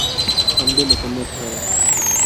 ہم بھی نکمّے ٹھہرے۔